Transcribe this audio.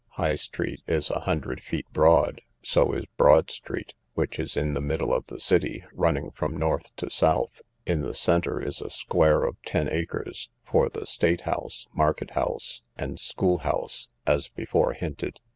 High street is a hundred feet broad, so is Broad street, which is in the middle of the city, running from north to south. In the centre is a square of ten acres, for the state house, market house, and school house, as before hinted.